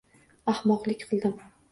Ahmoqlik qildim